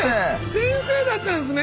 先生だったんですね